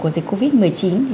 của dịch covid một mươi chín